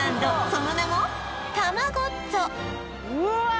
その名もうわ！